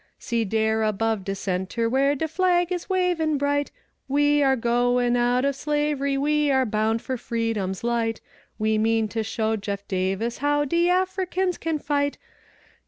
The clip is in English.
See dar! above de center, where de flag is wavin' bright; We are goin' out of slavery; we are bound for freedom's light; We mean to show Jeff. Davis how de Africans can fight!